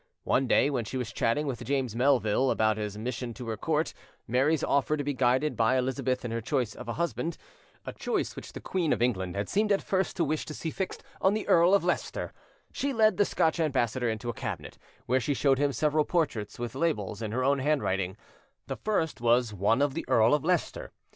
One day when she was chatting with James Melville about his mission to her court, Mary's offer to be guided by Elizabeth in her choice of a husband,—a choice which the queen of England had seemed at first to wish to see fixed on the Earl of Leicester,—she led the Scotch ambassador into a cabinet, where she showed him several portraits with labels in her own handwriting: the first was one of the Earl of Leicester.